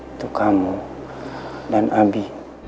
itu kamu dan abi